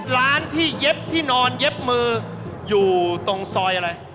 ร้านที่เย็บที่นอนเย็บมืออยู่ตรงซอยอะไร